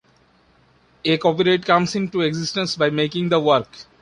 A copyright comes into existence by making the work.